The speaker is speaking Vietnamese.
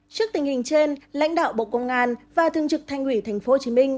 trước tình hình trên lãnh đạo bộ công an và thương trực thanh quỷ tp hcm